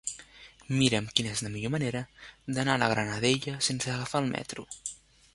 Mira'm quina és la millor manera d'anar a la Granadella sense agafar el metro.